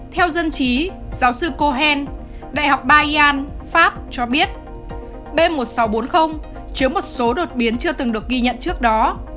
theo dân trí giáo sư cohen đại học bayan pháp cho biết b một nghìn sáu trăm bốn mươi chứa một số đột biến chưa từng được ghi nhận trước đó